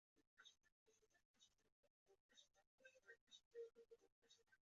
眼完全为脂性眼睑所覆盖。